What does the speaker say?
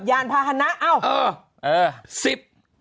ไม่ใช่ค่ะ